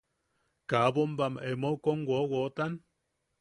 ¿Kaa bombam emeu kom wowotan?